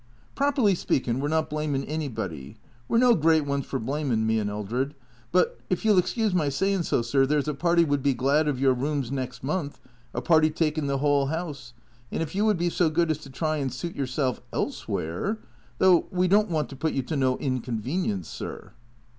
" Properly speakin', we 're not blamin' anybody. We 're no great ones for blamin', me and Eldred. But, if you '11 excuse my sayin' so, sir, there 's a party would be glad of your rooms next month, a party takin' the 'ole 'ouse, and if you would be so good as to try and suit yourself elsewhere Though we don't want to put you to no inconvenience, sir."